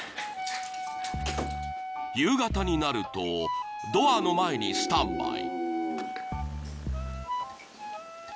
［夕方になるとドアの前にスタンバイ］